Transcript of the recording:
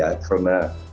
jadi itu kan